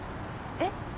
えっ？